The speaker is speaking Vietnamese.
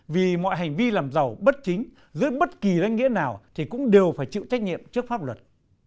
vì mọi hành vi làm giàu bất chính dưới bất kỳ danh nghĩa nào thì cũng đều phải chịu trách nhiệm trước pháp luật